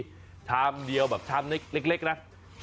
ต้องชามเดียวแบบชามเล็ก๑๒บาท